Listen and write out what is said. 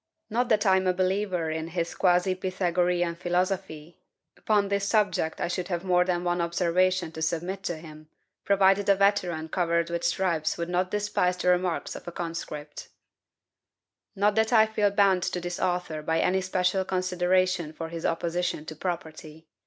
Not that I am a believer in his quasi Pythagorean philosophy (upon this subject I should have more than one observation to submit to him, provided a veteran covered with stripes would not despise the remarks of a conscript); not that I feel bound to this author by any special consideration for his opposition to property.